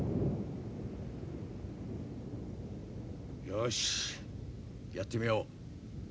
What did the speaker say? よしやってみよう。